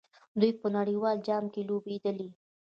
دوی په نړیوال جام کې لوبېدلي.